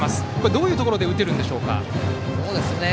どういうところで打てるんでしょうか。